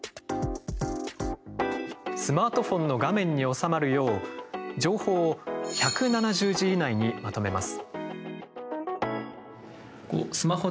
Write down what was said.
スマートフォンの画面に収まるよう情報を１７０字以内にまとめます。